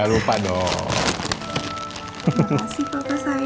terima kasih papa sayang